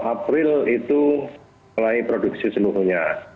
april itu mulai produksi seluruhnya